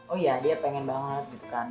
oh iya dia pengen banget gitu kan